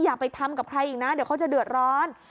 อย่าไปทำกับใครอีกนะเดี๋ยวเขาจะเดือดร้อน